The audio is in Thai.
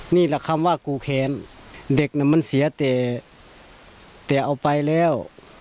นี่แหละคำว่ากูแค้นเด็กน่ะมันเสียแต่เอาไปแล้ว